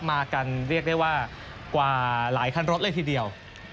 มากันเรียกได้ว่ากว่าหลายคันรถเลยทีเดียว